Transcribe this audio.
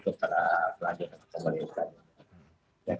kepada pelajaran pemerintah